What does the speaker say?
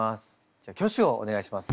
じゃあ挙手をお願いします。